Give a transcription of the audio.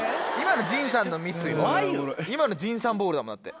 今の陣さんボールだもんだって。